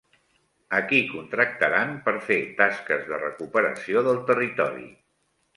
A qui contractaran per fer tasques de recuperació del territori?